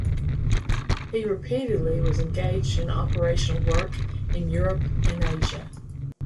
He repeatedly was engaged in operational work in Europe and Asia.